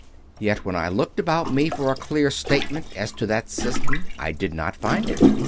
Yet when I looked about me for a clear statement as to that system I did not find it.